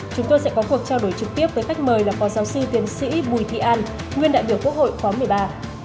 chúng tôi sẽ có cuộc trao đổi trực tiếp với khách mời là phó giáo sư tiến sĩ bùi thị an nguyên đại biểu quốc hội khóa một mươi ba